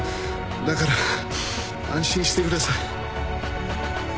だから安心してください。